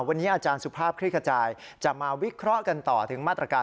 วันนี้อาจารย์สุภาพคลิกขจายจะมาวิเคราะห์กันต่อถึงมาตรการ